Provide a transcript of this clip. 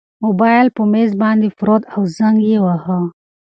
موبایل په مېز باندې پروت و او زنګ یې واهه.